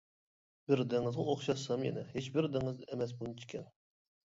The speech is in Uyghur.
بىر دېڭىزغا ئوخشاتسام يەنە، ھېچبىر دېڭىز ئەمەس بۇنچە كەڭ.